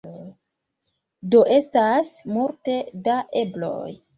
Do estas multe da ebloj.